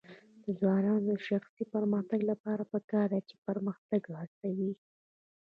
د ځوانانو د شخصي پرمختګ لپاره پکار ده چې پرمختګ هڅوي.